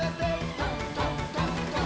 「どんどんどんどん」